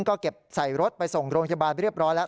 ก็เก็บใส่รถไปส่งโรงพยาบาลไปเรียบร้อยแล้ว